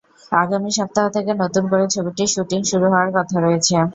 আগামী সপ্তাহ থেকে নতুন করে ছবিটির শুটিং শুরু হওয়ার কথা রয়েছে।